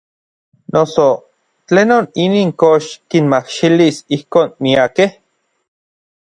Noso ¿tlenon inin kox kinmajxilis ijkon miakej?